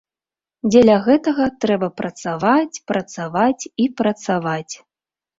Дзеля гэтага трэба працаваць, працаваць і працаваць.